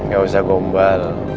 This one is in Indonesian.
gak usah gombal